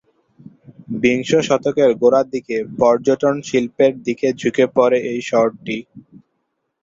বিংশ শতকের গোড়ার দিকে পর্যটন শিল্পের দিকে ঝুঁকে পড়ে এ শহরটি।